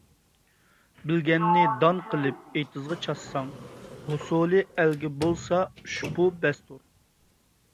بىلگەننى دان قىلىپ ئېتىزغا چاچساڭ، ھوسۇلى ئەلگە بولسا، ئۇشبۇ بەستۇر.